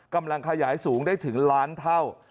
กำลังขยายสูงได้ถึงล้านเท่า